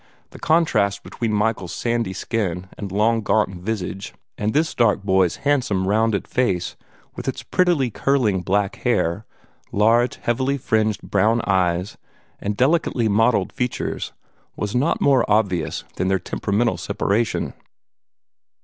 The contrast between Michael's sandy skin and long gaunt visage and this dark boy's handsome, rounded face, with its prettily curling black hair, large, heavily fringed brown eyes, and delicately modelled features, was not more obvious than their temperamental separation.